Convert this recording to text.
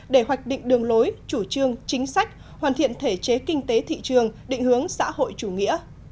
để hoạch định đường lối chủ trương chính sách hoàn thiện thể chế kinh tế thị trường định hướng xã hội chủ nghĩa